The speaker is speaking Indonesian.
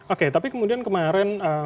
oke tapi kemudian kemarin